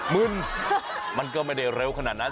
มึนมันก็ไม่ได้เร็วขนาดนั้น